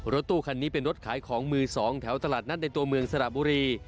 รถตู้คันนี้เป็นรถขายของมือ๒แถวตลาดนัดในตัวเมืองสระบุรี